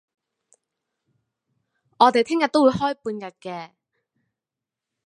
我哋聽日都會開半日嘅